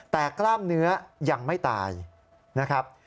แต่กล้ามเนื้อยังไม่ตายนะครับ